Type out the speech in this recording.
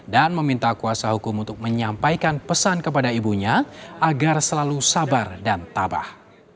dan meminta kuasa hukum untuk menyampaikan pesan kepada ibunya agar selalu sabar dan tabah